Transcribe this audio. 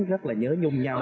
rất là nhớ nhung nhau